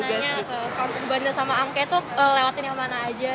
masih nanya nanya ke bandar sama amke itu lewatin yang mana aja